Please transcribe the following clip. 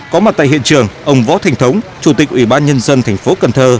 có mặt tại hiện trường ông võ thành thống chủ tịch ủy ban nhân dân thành phố cần thơ